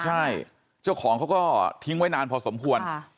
ใช่เจ้าของเขาก็ทิ้งไว้นานพอสมควร